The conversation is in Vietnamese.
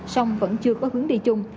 xong vẫn chưa có hướng đi chung